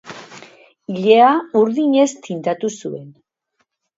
Ilea urdinez tindatu zuen.